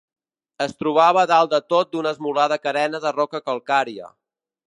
Es trobava dalt de tot d'una esmolada carena de roca calcària